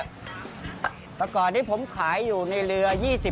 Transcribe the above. เมื่อก่อนที่ผมขายอยู่ในเรือ๒๐ปีเต็มนะ